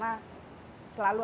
dan kemudian kembali ke kota